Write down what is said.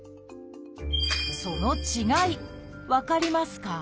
その違い分かりますか？